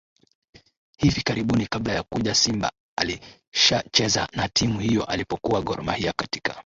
hivi karibuni kabla ya kuja Simba alishacheza na timu hiyo alipokuwa Gor Mahia katika